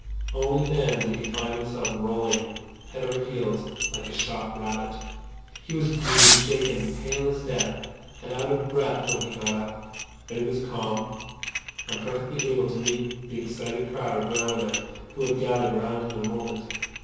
Only then did he find himself rolling head over heels like a shot rabbit. He was bruised, shaken, pale as death, and out of breath when he got up. But he was calm, and perfectly able to meet the excited crowd of railway men who had gathered round him in a moment.